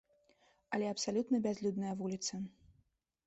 Але абсалютна бязлюдная вуліца.